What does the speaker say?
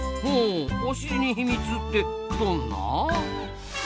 ほうおしりに秘密ってどんな？